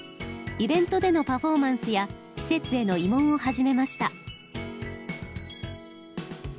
イベントでのパフォーマンスや施設への慰問を始めました。